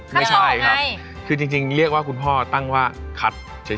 ไม่ใช่ครับคือจริงเรียกว่าคุณพ่อตั้งว่าคัดเฉย